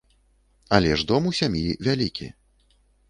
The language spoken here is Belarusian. Але ж дом у сям'і вялікі.